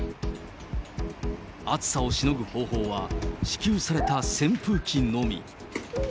暑さをしのぐ方法は支給された扇風機のみ。